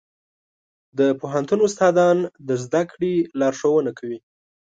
د پوهنتون استادان د زده کړې لارښوونه کوي.